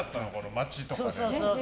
街とかで。